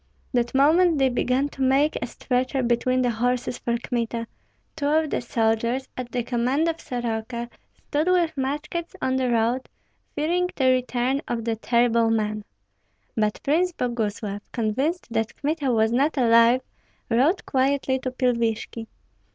That moment they began to make a stretcher between the horses for Kmita. Two of the soldiers, at the command of Soroka, stood with muskets on the road, fearing the return of the terrible man. But Prince Boguslav, convinced that Kmita was not alive, rode quietly to Pilvishki.